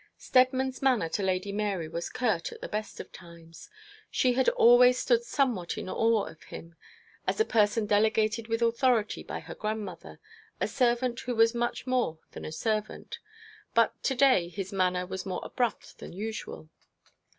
Steadman's manner to Lady Mary was curt at the best of times. She had always stood somewhat in awe of him, as a person delegated with authority by her grandmother, a servant who was much more than a servant. But to day his manner was more abrupt than usual.